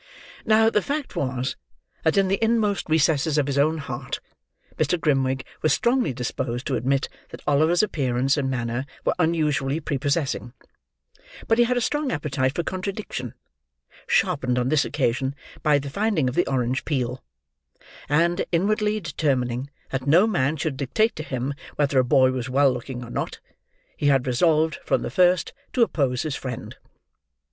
Now, the fact was, that in the inmost recesses of his own heart, Mr. Grimwig was strongly disposed to admit that Oliver's appearance and manner were unusually prepossessing; but he had a strong appetite for contradiction, sharpened on this occasion by the finding of the orange peel; and, inwardly determining that no man should dictate to him whether a boy was well looking or not, he had resolved, from the first, to oppose his friend.